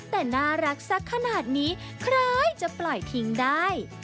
แต่น่ารักสักขนาดนี้ใครจะปล่อยทิ้งได้